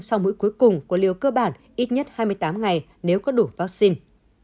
tiêm một mũi cuối cùng của liều cơ bản ít nhất hai mươi tám ngày nếu có đủ vaccine